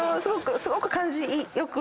すごく感じ良く。